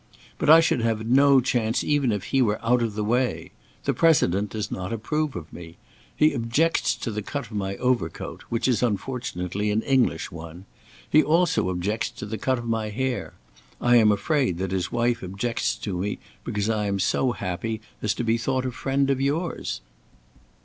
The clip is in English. But I should have no chance even if he were out of the way. The President does not approve of me. He objects to the cut of my overcoat which is unfortunately an English one. He also objects to the cut of my hair. I am afraid that his wife objects to me because I am so happy as to be thought a friend of yours."